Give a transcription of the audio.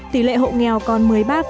tỷ lệ hộ nghèo còn một mươi ba